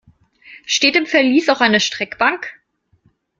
Steht im Verlies auch eine Streckbank?